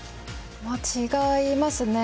違いますね。